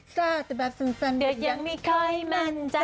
สาธิดแฟนเดือกยังไม่ค่อยมั่นไสน์